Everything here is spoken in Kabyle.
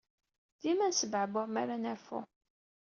Dima nesbeɛbuɛ mi ara nerfu.